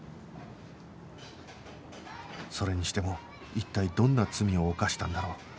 それにしても一体どんな罪を犯したんだろう？